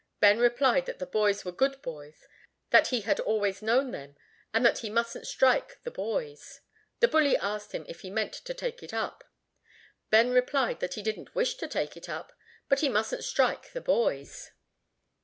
Ben replied that the boys were good boys, that he had always known them, and that he mustn't strike the boys. The bully asked him if he meant to take it up. Ben replied that he didn't wish to take it up, but he mustn't strike the boys.